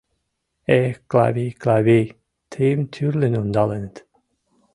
Эх, Клавий, Клавий, тыйым тӱрлын ондаленыт...